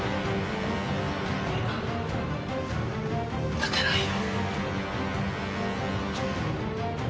立てないよ。